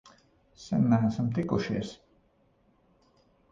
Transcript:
Sen neesam tikušies!